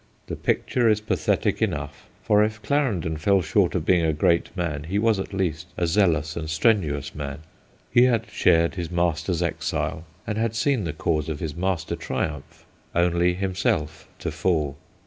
The picture is pathetic enough, for if Claren don fell short of being a great man, he was at least a zealous and strenuous man ; he had shared his master's exile, and had seen the cause of his master triumph, only him self to fall.